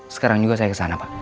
sekarang juga saya ke sana pak